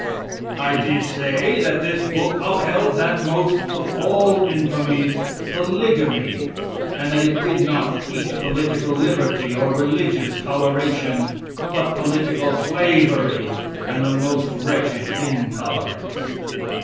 I did say that this book upheld that most of all infamies, polygamy, and that it did not teach political liberty or religious toleration, but political slavery and the most wretched intolerance.